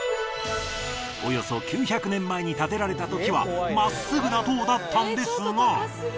およそ９００年前に建てられたときは真っ直ぐな塔だったんですが。